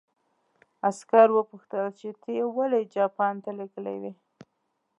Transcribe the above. عسکر وپوښتل چې ته یې ولې جاپان ته لېږلی وې